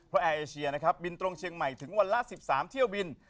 เพราะแอร์เอเชียนะครับบินตรงเชียงใหม่ถึงวันละ๑๓เที่ยวบิน